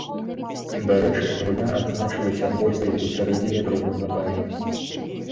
Дарэчы, гульня адзначылася бойкай у сярэдзіне другога тайма.